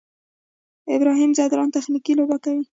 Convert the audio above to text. ابراهیم ځدراڼ تخنیکي لوبه کوي.